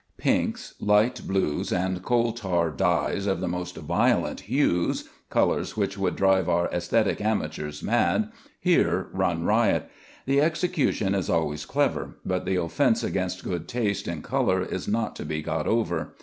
Pinks, light blues, and coal tar dyes of the most violent hues (colors which would drive our æsthetic amateurs mad) here run riot. The execution is always clever, but the offence against good taste in color is not to be got over.